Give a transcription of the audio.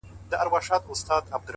• ورته رایې وړلي غوښي د ښکارونو ,